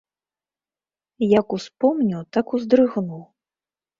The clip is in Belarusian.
Як успомню, так уздрыгну.